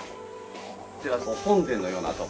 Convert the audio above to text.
こちらご本殿のような所。